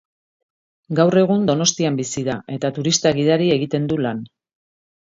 Gaur egun Donostian bizi da, eta turista-gidari egiten du lan.